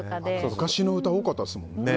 昔の歌、多かったですもんね。